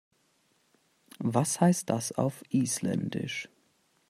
Was heißt das auf Isländisch?